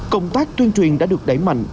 công tác tuyên truyền đã được đẩy mạnh